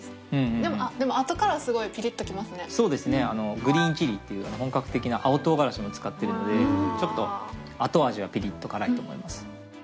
グリーンチリっていう本格的な青唐辛子も使ってるので後味はピリっと辛いと思います。